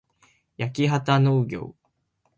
やきはたのうぎょう